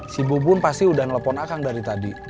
si bubun pasti udah nelfon akang dari tadi